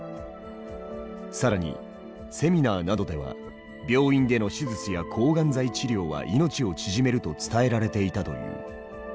更にセミナーなどでは病院での手術や抗がん剤治療は命を縮めると伝えられていたという。